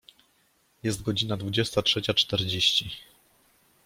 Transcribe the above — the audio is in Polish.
Jest godzina dwudziesta trzecia czterdzieści.